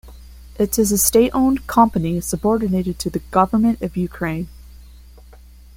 It is a state-owned company subordinated to the Government of Ukraine.